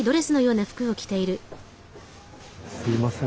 すいません。